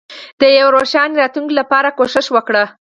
د یوې روښانه راتلونکې لپاره کوښښ وکړئ.